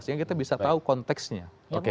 sehingga kita bisa tahu konteksnya